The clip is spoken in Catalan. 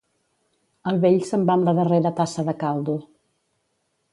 El vell se'n va amb la darrera tassa de caldo.